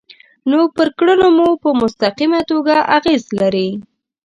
نو پر کړنو مو په مستقیمه توګه اغیز لري.